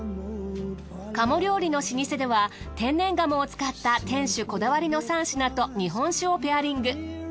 鴨料理の老舗では天然鴨を使った店主こだわりの３品と日本酒をペアリング。